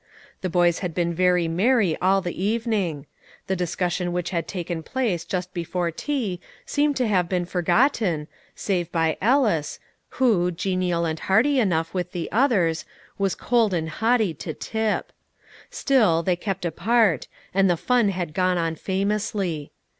The boys had been very merry all the evening; the discussion which had taken place just before tea seemed to have been forgotten, save by Ellis, who, genial and hearty enough with the others, was cold and haughty to Tip. Still, they kept apart, and the fun had gone on famously.